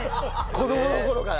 子供の頃から。